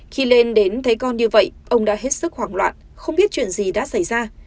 khi lên đến thấy con như vậy ông đã hết sức hoảng loạn không biết chuyện gì đã xảy ra